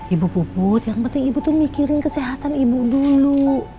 ibu puput yang penting ibu tuh mikirin kesehatan ibu dulu